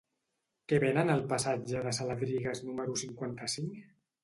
Què venen al passatge de Saladrigas número cinquanta-cinc?